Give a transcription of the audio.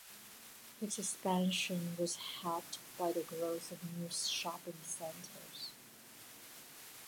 His expansion was helped by the growth of new shopping centres.